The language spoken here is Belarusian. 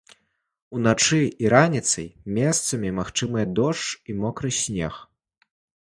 Уначы і раніцай месцамі магчымыя дождж і мокры снег.